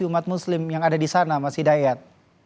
umat muslim yang ada di sana mas hidayat